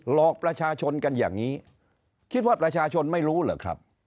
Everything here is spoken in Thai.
หลอกประชาชนกันอย่างนี้คิดว่าประชาชนไม่รู้เหรอครับ